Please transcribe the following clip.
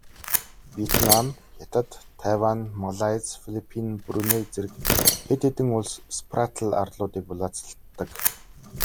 Вьетнам, Хятад, Тайвань, Малайз, Филиппин, Бруней зэрэг хэд хэдэн улс Спратл арлуудыг булаацалддаг.